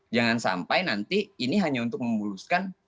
jangan sampai nanti ini hanya untuk memuluskan